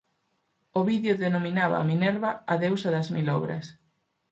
Ovidio denominaba a Minerva a «deusa das mil obras».